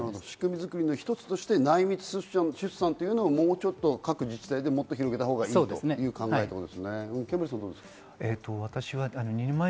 仕組み作りの一つとして内密出産をもうちょっと、各自治体で広げたほうがいいということですね。